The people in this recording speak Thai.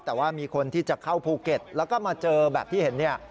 แต่ว่ามีคนที่จะเข้าภูเก็ตแล้วก็มาเจอแบบที่เห็นเนี่ย